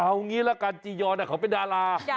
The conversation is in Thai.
เอางี้ละกันจียอนเขาเป็นดารา